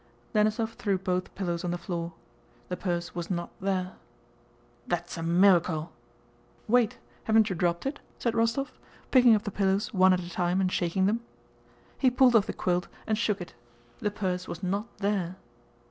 Denísov threw both pillows on the floor. The purse was not there. "That's a miwacle." "Wait, haven't you dropped it?" said Rostóv, picking up the pillows one at a time and shaking them. He pulled off the quilt and shook it. The purse was not there.